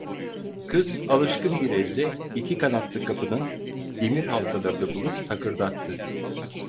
Kız alışkın bir elle iki kanatlı kapının demir halkalarını bulup takırdattı.